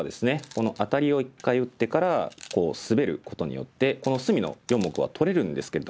このアタリを一回打ってからスベることによってこの隅の４目は取れるんですけれども。